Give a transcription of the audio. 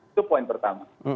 itu poin pertama